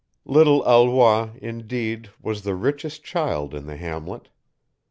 Little Alois, indeed, was the richest child in the hamlet.